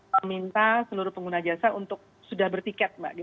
meminta seluruh pengguna jasa untuk sudah bertiket mbak